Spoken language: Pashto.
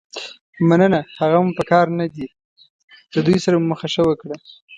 مننه، هغه مو په کار نه دي، له دوی سره مو مخه ښه وکړه.